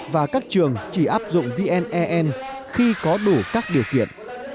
và các trường chỉ áp dụng vne khi có đủ các điều kiện